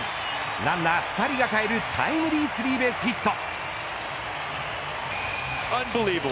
ランナー２人がかえるタイムリースリーベースヒット。